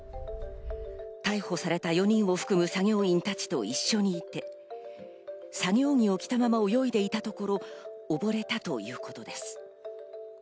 逮捕された４人を含む作業員たちと一緒にいて作業着を着たまま泳いでいたところ、おぼれたということです。